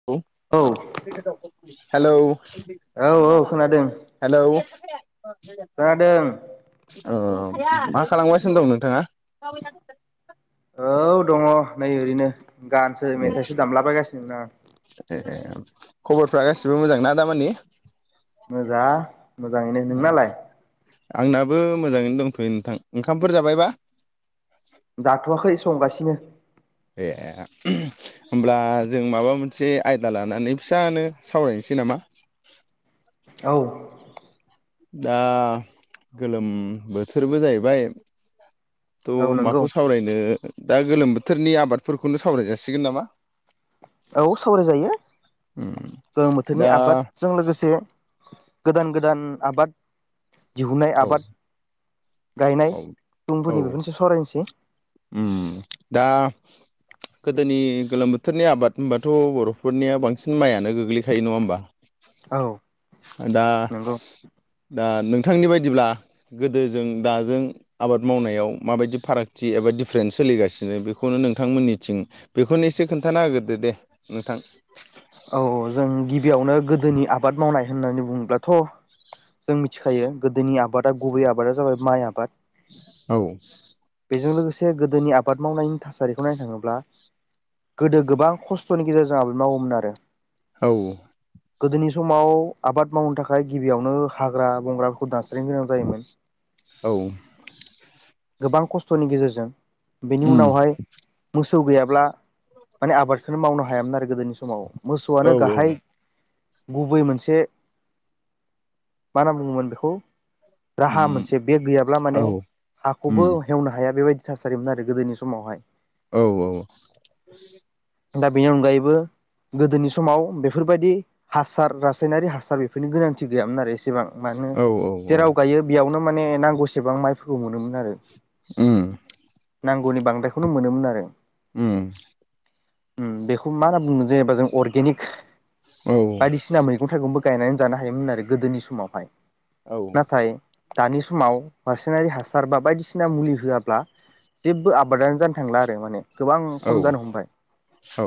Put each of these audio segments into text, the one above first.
[inaudible] औ हेलौ औ खोनादों हेलौ ओ ओ खोनादों औ मा खालामगासिनो दं नोंथाङा? औ दङ नै ओरैनो गानसो ए मेथाइसो दामलाबायगासिनो आं [unintelligible] खबरफ्रा गासिबो मोजांना दामानि? मोजां मोजाङैनो नोंनालाय? आंनाबो मोजाङैनो दंथ'यो नोंथां ओंखामफोर जाबायबा जाथ'वाखै संगासिनो ए होमब्ला जों माबा मोनसे आयदा लानानै फिसानो सावरायनोसै नामा? औ दा गोलोम बोथोरबो जाहैबाय औ थ' नंगौ माखौ सावरायनो दा गोलोम बोथोरनि आबादफोरखौनो सावराय जाासिगोन नामा औ सावराय जायो उम गोलोम बोथोरनि दा आबाद जों लोगोसे गोदान गोदान आबाद दिहुननाय औ आबाद औ गायनाय सुबुंफोरनि बेफोरनि [unintelligible] सावरायनोसै उ दा गोदोनि गोलोम बोथोरनि आबाद होनबाथ' बर'फोरनिया बांसिन माइयानो गोग्लैखायो नङा होमबा औ दा नंगौ दा नोंथांनि बायद दिब्ला गोदोजों दाजों आबाद मावनायाव माबायदि फारागथि एबा डिफारेन्स सोलिगासिनो बेखौनो नोंथांमोननिथिं बेखौनो एसे खोन्थाना होगोरदो दे नोंथां औ जों गिबियावनो गोदोनि आबाद मावनाय होननानै बुङोब्लाथ' जों मिथिखायो गोदोनि आबादा गुबै आबादा जाबाय माइ आबाद औ। बेजों लोगोसे गोदोनि आबाद मावनायनि थासारिखौ नायनो थाङोब्ला गोदो गोबां खस्थ'नि गेजेरजों आबाद मावोमोन आरो। औ। गोदोनि समाव आबाद मावनो थाखाय गिबियावनो हाग्रा बंग्राफोरखौ दान गोनां जायोमोन औ गोबां खस्थ'नि गेजेरजों। बेनि उम उनावहाय मोसौ गैयाब्ला माने आबादखौनो मावनो हायामोन आरो गोदोनि समाव। औ मोसौआनो औ गाहाय गुबै मोनसे मा होनना बुङोमोन बेखौ राहा उम मोनसे बे गैयाब्ला औ माने उम हाखौबो एवनो हाया बेबायदि थासारिमोन आरो गोदोनि समावहाय। औ औवौ। दा बेनि अनगायैबो गोदोनि समाव बेफोरबायदि हासार रासायनारि हासार बेफोरनि गोनांथि गैयामोन आरो एसेबां। मानो औ जेराव गायो बेयावनो माने नांगौसेबां माइफोरखौ मोनोमोन आरो। उम। नांगौनि बांद्रायखौनो मोनोमोन आरो। उम। उम बेखौ मा होनना बुंनो जेनेबा जों अर्गेनिक औ बायदिसि सिना मैगं थाइगंबो गायनानै जानो हायोमोन आरो गोदोनि समावहाय। औ नाथाय दानि समाव रासाइनारि हासार बा बायदिसिना मुलि होआब्ला जेबो आब बादानो जानो थांला आरो माने गोबां खम जानो हमबाय। औ।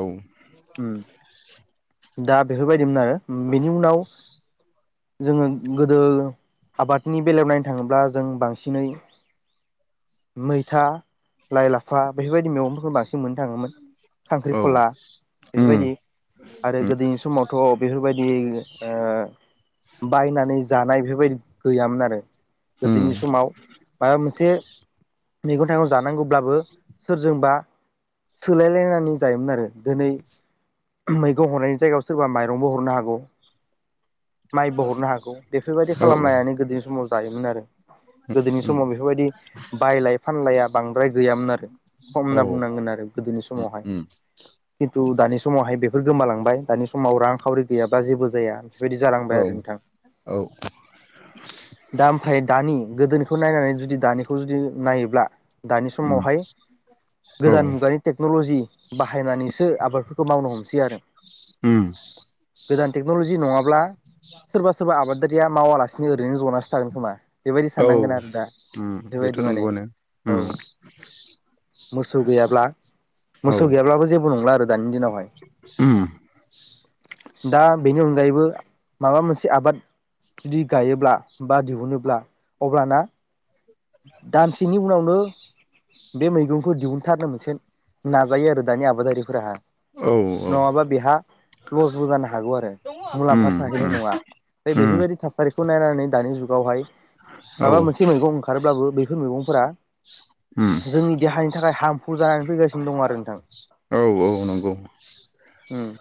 उम दा बेफोरबायदिमोन आरो बेनि उनाव जोङो गोदो आबादनि बेलायाव नायनो थाङोब्ला जों बांसिनै मैथा लाइ, लाफा बेफोरबायदि मैगंफोरखौ बांसिन मोननो थाङोमोन। औ। खांख्रिखला उम बेफोरबायदि आरो गोदोनि समावथ' बेफोरबायदि ओ बायनानै जानाय बेफोरबायदि गैयामोन आरो। उम गोदोनि समाव माबा मोनसे मैगं थाइगं जानांगौब्लाबो सोरजोंबा सोलायलायनानै जायोमोन आरो दोनै मैगं हरनायनि जायगायाव सोरबा माइरंबो हरनो हागौ। माइबो हरनो हागौ बेफोरबायदि औ औ खालामलायनानै गोदोनि समाव जायोमोन आरो। गोदोनि उम समाव बेफोरबायदि बायलाय फानलाया बांद्राय गैयामोन आरो। खम होनना औ बुंनांगोन आरो गोदोनि समावहाय। [unintelligible] थु दानि समावहाय बेफोर गोमालांबाय, दानि समाव रांखावरि गैयाबा जेबो जाया बेफोरबायदि औ जालांबाय आरो नोंथां। औ दा ओमफ्राय दानि गोदोनिखौ नायनानै जुदि दानिखौ जुदि नायोब्ला दानि उम समावहाय औ गोदान मुगानि टेक्न'ल'जि बाहायनानैसो आबादफोरखौ मावनो हमसै आरो। उम गोदान टेक्न'लजि नङाब्ला सोरबा सोरबा आबादारिया मावालासिनो ओरैनो जनासो थागोन खोमा। बेबायदि औ साननांगोन आरो दा उम बेथ' बेबायदि माने नंगौआनो औ। उम मोसौ गैयाब्ला, औ मोसौ गैयाब्लाबो जेबो नंला आरो दानि दिनावहाय। उम दा बेनि अनगायैबो माबा मोनसे आबाद जुदि गायोब्ला बा दिहुनोब्ला अब्लाना दानसेनि उनावनो बे मैगंखौ दिहुनथारनो मोनसे नाजायो आरो दानि आबादारिफोराहा। औ औ नङाबा बेहा लसबो जानो हागौ आरो, मुलाम्फा उम थाहैनाय उम नङा, उम बेफोरबायदि थास फारिखौ नायनानै दानि जुगावहाय औ माबा मोनसे मैगं ओंखारोब्लाबो बेैफोर मैगंफोरा उम जोंनि देहानि थाखाय हार्मफुल जानानै फैगासिनो दङ आरो नोंथां। औ औ नंगौ।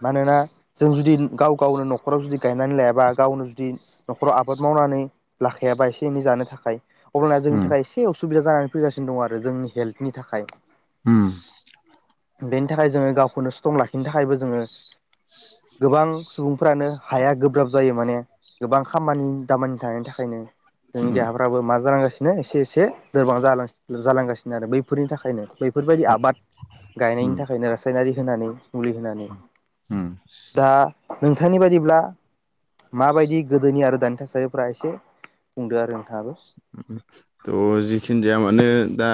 मानोना जों जुदि गाव गावनो न'खराव जुदि गायनानै लायाबा गावनो जुदि न'खराव आबाद मावनानै लाखायाबा एसे एनै जानो थाखाय अब्लाना जोंनि उम थाखाय एसे एसे असुबिदा जानानै फैगासिनो दं आरो जोंनि हेल्थनि थाखाय। उम। बेनि थाखाय जोङो गावखौनो स्ट्रं लाखिनो थाखायबो जोङो गोबां सुबुंफ्रानो हाया गोब्राब जायो माने। गोबां खामानि दामानि थानायनि थाखायनो। जोंनि उम देहाफ्राबो मा जालांगासिनो एसे एसे लोरबां जालांगासिनो आरो बैफोरनि थाखायनो। बेैफोरबायदि आबाद गायनायनि उम उम थाखायनो रासायनारि होनानै मुलि होनानै दा नोंथांनि बायदिब्ला माबायदि गोदोनि आरो दानि थासारिफ्रा एसे बुंदो आरो नोंथाङाबो। थ' जिखिनि जाया मानो दा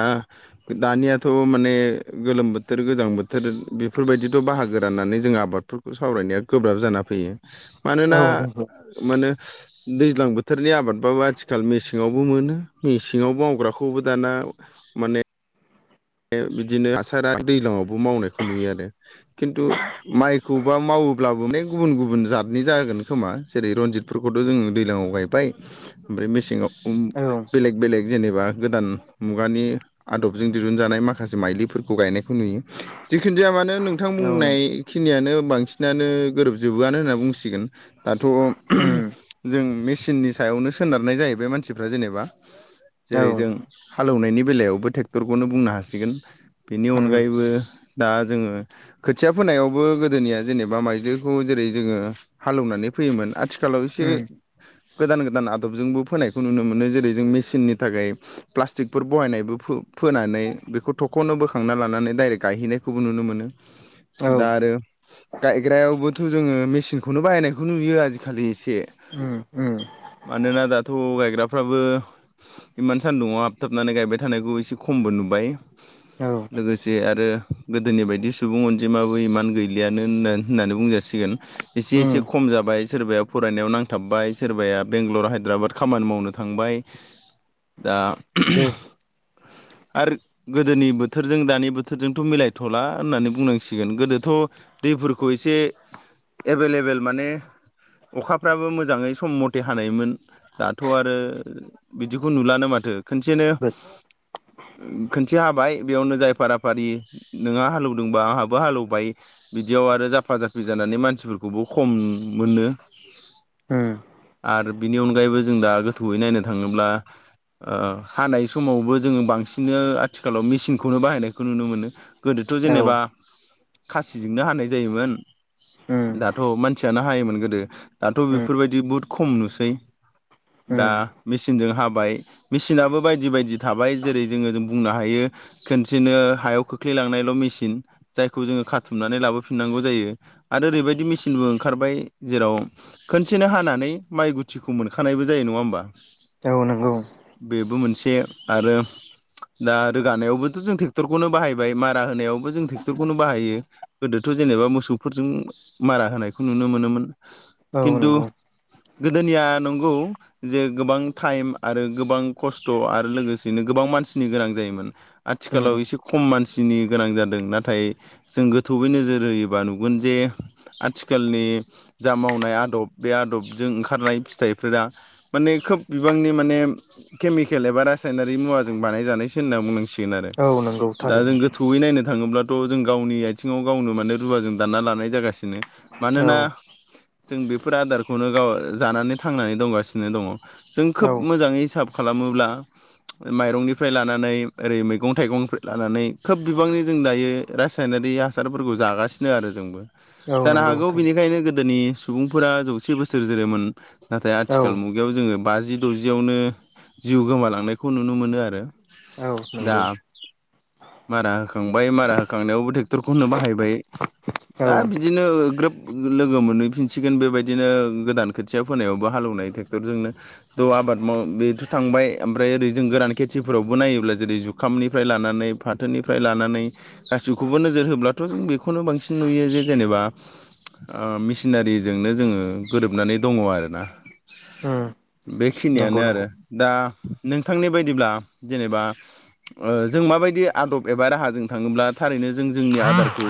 दानियाथ' माने गोलोम बोथोर गोजां बोथोर बेफोरबायदिथ' बाहागो राननानै जों आबाद फोरखौ खौ सावरायनाया गोब्राब जाना फैयो। मानोना औ नंगौ माने दैज्लां बोथोरनि आबादबाबो आथिखाल मेसें मेसेङावबो मोनो, मेसेङावबो मावग्राखौबो दाना माने बिदिनो हासारा दैज्लांआवबो मावनायखौ नुयो आरो खिन्थु माइखौबा मावोब्लाबो माने गुबुन गुबुन जातनि जागोन खोमा जेरै रनजित बेफोरखौथ' जोङो दैज्लाङाव गायबाय ओमफ्राय मेसेङाव औ बेलेग बेलेग जेनेबा गोदान मुगानि आदबजों दि दिहुनजानाय माखासे माइलिफोरखौ गायनायखौ नुयो, जिखुन जाया मानो नोंथां औ औ बुंनाय खिनियानो बांसिनानो गोरोबजोबोआनो होनना बुंसिगोन दाथ' उम जों मेसिननि सायावनो सोनारनाय जाहैबाय मानसिफ्रा जेनेबा औ जेरै जों हालेवनायनि बेलायावबो ट्रेक्टरखौनो बुंनो हासिगोन। बेनि अनगायैबो दा जोङो खोथिया फोनायावबो गोदोनिया जेनेबा माइलिखौ जेरै जोङो हालेवनानै फैयोमोन, आथिखाल आथिखालाव एसे गोदान गोदान आदबजोंबो फोनायखौ नुनो मोनो जेरै जों मेसिननि थाखाय प्लास्टिकफोर बहायनायबो फो फोनानै बेखौ थखनो बोखांना लानानै दडाइरेक्ट गायहैनायखौबो नुनो मोनो। दा आरो गायग्रायावबोथ' जोङो मेचिनखौनो बाहायनायखौ नुयो आजिखालि एसे। उम उम मानोना दाथ' गायग्राफ्राबो इमान सानदुं आव हाबथाबनानै गायबाय थानायखौ एसे खमबो नुबाय, औ लोगोसे आरो गोदोनि बायदि सुबुं अनजिमाबो इमान गैलियानो होन होननानै बुंजासिगोन। एसे एसे उम खम जाबाय सोरबाया फरायनायाव नांथाबबाय सोरबाया बेंगालर हायद्राबाद खामानि मावनो थांबाय। दा [unintelligible] आरो गोदोनि बोथोरजों दानि बोथोरजोंथ' मिलायथ'ला होननानै बुंनांसिगोन, गोदोथ' दैफोरखौ एसे एभेलेबेल माने अखाफ्राबो मोजाङै सम मथे हानायमोन, दाथ' आरो बिदिखौ नुलानो माथो खोनसेनो खोनसे हाबाय बेयावनो जाय फाराफारि नोंहा हालेवदोंबा आंहाबो हालेवबाय। बिदियाव आरो जाफा जाफि जानानै मानसिफोरखौबो खम मोनो। उम आरो बिनि अनगायैबो जों दा गोथौयै नायनो थाङोब्ला ओ हानाय समावबो जोङो बांसिन आथिखालाव मेसिंखौनो बाहायनायखौ नुनो मोनो उम गोदोथ' औ जेनेबा खासिजोंनो हानाय जायोमोन। उम दाथ' मानसियानो हायोमोन गोदो दाथ' उम बेफोरबायदि बहुद खम नुसै। दा उम मेसिनजों हाबाय मेसिनाबो बायदि बायदि थाबाय जेरै जोङो जों बुंनो हायो खोनसेनो हायाव खोख्लैलांनायल' मेसिन जायखौ जोङो खाथुमनानै लाबोफिननांगौ जायो आरो ओरैबायदि मेसिनबो ओंखारबाय जेराव खोनसेनो हानानै माइ गुथिखौ मोनखानायबो जायो नङा होमबा? औ नंगौ बेबो मोनसे आरो दा रोगानायावबोथ' जों ट्रेक्टरखौनो बाहायबाय मारा होनायावबो जों ट्रेक्ट'रखौनो बाहायो। गोदोथ' जेनेबा मोसौफोरजों मारा होनायखौ नुनो मोनोमोन औ खिन्थु नंगौ गोदोनिया नंगौ जे गोबां टाइम आरो गोबां खस्थ' आरो लोगोसे लासैनो गोबां मानसिनि गोनां जायोमोन उम आथिखालाव एसे खम मानसिनि गोनां जादों नाथाय जों गोथौयै नोजोर होयोबा नुगोन जे आथिखालनि जा मावनाय आदब बे आदबजों ओंखारनाय फिथाइफोरा माने खोब बिबांनि माने केमिकेल एबा रासाय नारि मुवाजों बानायजानायसो होनना बुंनांसिगोन आरो औ नंगौ दा जों थारैनो गोथौैयै नायनो थाङोब्ला थ' जों गावनि आथिङाव गावनो माने रुवाजों दानना लानाय जागासिनो औ मानोना जों बेफोर आदारखौनो गाव जानानै थांनानै दंगासिनो दङ। जों खोब औ मोजाङै हिसाब खालामोब्ला माइरंनिफ्राय लानानै ओरै मैगं थाइगंनिफ्राय लानानै खोब बिबांनि जों दायो रासायनारि हासारफोरखौ जागासिनो आरो जोंबो। औ जानो नंगौ हागौ थारैनो बिनिखायनो गोदोनि सुबुंफोरा जौसे बोसोर जोरोमोन। नाथाय आथिखाल औ मुगायाव जोङो बाजि द'जियावनो जिउ गोमालांनाय खौ नुनो मोनो आरो औ दा नंगौ मारा होखांबाय मारा होखांनायावबो ट्रेक्टरखौ होनो बाहायबाय औ दा उम बिदिनो ग्रोब लोगो मोनहैफिनसिगोन बेबायदिनो गोदान खोथिया फोनायावबो हालौवनाय टेक्टफोरजोंनो थ' आबाद माव बेथ' थांबाय ओमफ्राय ओरै जों गोरान खेथिफोरावबो नायोब्ला जेरै जुखामनिफ्राय लानानै फाथोनिफ्राय लानानै गासिखौबो नोजोर होब्लाथ' जों बेखौनो बांसिन नुयो जे जेनेबा मेसिनारिजोंनो जोङो गोरोबनानै दङ आरोना। बेखिनियानो नंगौ आरो नंगौ दा नोंथांनि बायदिब्ला जेनेबा जों माबायदि आदब एबा राहाजों थाङोब्ला थारैनो जों जोंनि आदारखौ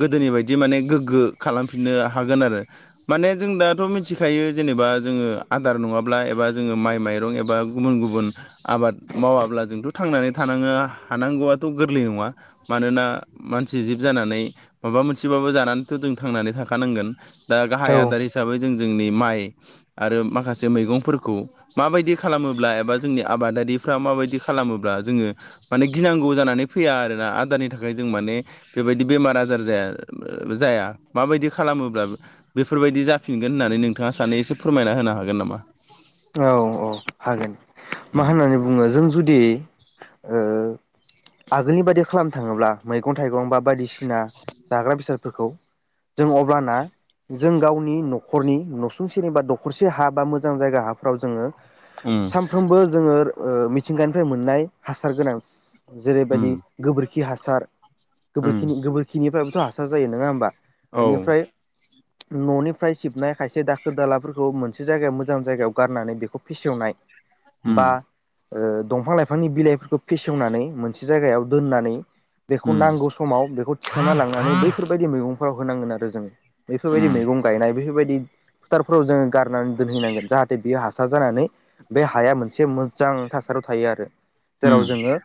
गोदोनि बायदि माने गोग्गो खालामफिननो हागोन आरो माने जों दाथ' मिथिखायो जेनेबा जोङो आदार नङाब्ला एबा जोङो माइ माइरं एबा गुबुन गुबुन आबाद मावाब्ला जोंथ' थांनानै थानाङा हानांगौआथ' गोरलै नङा मानोना मानसि जिब जानानै माबा मोनसेबाबो जानानैथ' जों थांनानै थाखानांगोन। दा गाहाय औ आदार हिसाबै जों जोंनि माइ आरो माखासे मैगंफोरखौ माबायदि खालामोब्ला एबा जोंनि आबादारिफ्रा माबायदि खालामोब्ला जोङो माने गिनांगौ जाना नै फैया आरोना आदारनि थाखाय जों माने बेबायदि बेमार आजार जाया जाया माबायदि खालामोब्ला बेफोरबायदि जाफिनगोन होननानै नोंथाङा सानो एसे फोरमायना होनो हागोन नामा? औ औ हागोन मा उम होननानै जों जुदि ओ आगोलनि बायदि खालामनो थाङोब्ला मैगं थाइगं बा बायदिसिना जाग्रा बेसादफोरखौ जों अब्लाना जों गावनि न'खरनि न'सुंसेनि बा दखरसे हा बा मोजां जायगा हाफ्राव जोङो उम सानफ्रोमबो जोङो मिथिंगानिफ्राय मोननाय हासार गोनां उम जेरैबायदि गोबोरखि हासार गोबोरखि गोबोरखिनिफ्रायबोथ' हासार जायो नङा होमबा? औ उम बेनिफ्राय न'निफ्राय सिबनाय खायसे दाखोर दालाफोरखौ मोनसे जायगायाव मोजां जायगायाव गारनानै बेखौ फेसेवनाय बा उम दंफां लाइफांनि बिलाइफोरखौ फेसेवनानै मोनसे जायगायाव दोननानै बेखौ नांगौ सम समाव बेखौ थिा लांनानै बैफोरबायदि मैगंफोराव होनांगोन आरो जोो बैफोरबायदि उम मैगं गायनाय बेफोरबायदि फोथारफोराव जोङो गारनानै दोनहैनांगोन जाहाथे बियो हासार जानानै बे हाया मोनसे मोजां थासारियाव थायो आरो उम जेराव जोङो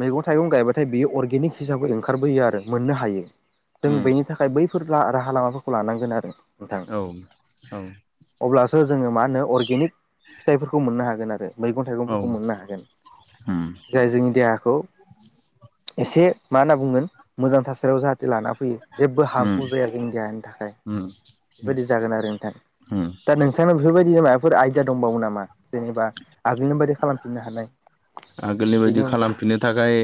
मैगं थाइगं गायबाथाय बियो अर्गेनिक हिसाबै ओंखारबोयो आरो मोननो हायो जों उम बेनि थाखाय बै फोर राहा लामाफोरखौ लानांगोन आरो। नोंथां औ औ। अब्लासो जोङो मा होनो अर्गेनिक फिथाइफोरखौ मोननो हागोन आरो। मैगं औ थाइगंफोरखौ मोननो हागोन। उम जाय जोंनि देहाखौ एसे मा होनना बुंगोन। मोजां थासारियाव जाहाथे लाना फयो जेबो हार्मफुल उम जाया आरोि इण्डियानो थाखाय उम बेबायदि जागोन आरो नोंथां। उम दा नोंथांनाव बेफोरबायदि माबाफोर आयदिया दंबावो नामा जेनेबा आगोलनि बायदि खालामफिननो हानाय। आगोलनि बायदि बेनि अनगायै खालामफिननो थाखाय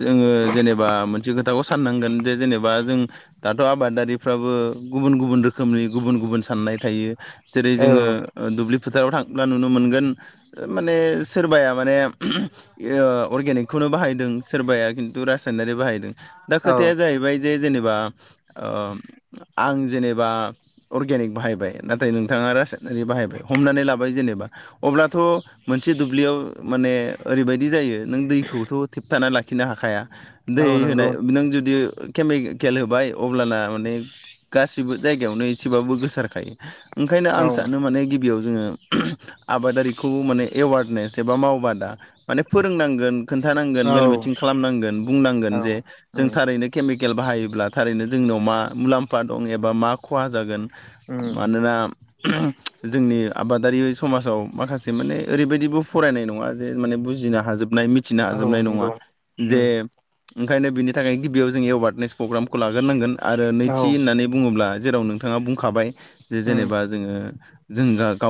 जोङो जेनेबा मोनसे खोथाखौ साननांगोन जे जेनेबा जों दाथ' आबादारिफ्राबो गुबुन गुबुन रोखोमनि गुबुन गुबुन साननाय थायो। जेरै जोङो औ दुब्लि फोथाराव थांब्ला नुनो मोनगोन माने सोरबाया माने अर्गेनिकखौनो बाहायदों सोरबाया खिन्थु रासायनारि बाहायदों। दा खोथाया औ जाहैबाय जे जेनेबा आं जेनेबा अर्गेनिक बाहायबाय नाथाय नोंथाङा रासि बाहायबाय हमनानै लाबाय जेनेबा अब्लाथ' मोनसे दुब्लियाव माने ओरैबायदि जायो नों दैखौथ' थेबथाना लाखिनो हाखाया दै औ होनाय नंगौ नों जुदि केमिकेल होबाय अब्लाना माने गासिबो जायगायावनो एसे थबाबो गोसारखायो ओंखायनो आं औ सानो माने गिबियाव जोङो आबादारिखौ माने एवारनेस एबा मावबादा माने फोरोंनांगोन। खोन्थानांगोन मेल औ मिटिं खालामनांगोन बुंनांगोन औ जे जों उम थारैनो केमिकेल बाहायोब्ला थारैनो जोंनियाव मा मुलाम्फा दं एबा मा खहा जागोन उम मानोना जोंनि आबादारि समाजाव माखासे माने ओरैबायदिबो फरायनाय नङा जे माने बुजिनो हाजोबनाय मिथिनो औ हाजोबनाय नङा नंगौ उम जे ओंखायनो बिनि थाखाय गिबियाव जोंङो एवारनेस प्रग्रामखौ लाग्रोनांगोन आरो औ नैथि होननानै बुङोब्ला जेराव नोंथाङा बुंखाबाय जे उम जेनेबा जोङो जों गाव।